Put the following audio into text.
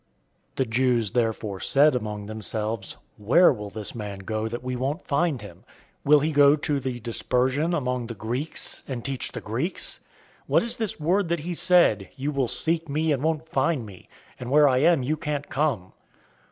007:035 The Jews therefore said among themselves, "Where will this man go that we won't find him? Will he go to the Dispersion among the Greeks, and teach the Greeks? 007:036 What is this word that he said, 'You will seek me, and won't find me; and where I am, you can't come'?"